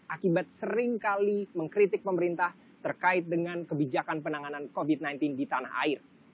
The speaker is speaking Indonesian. akibat seringkali mengkritik pemerintah terkait dengan kebijakan penanganan covid sembilan belas di tanah air